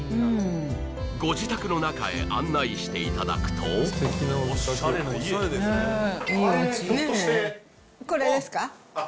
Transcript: ご自宅の中へ案内していただくとあれひょっとしてこれですか？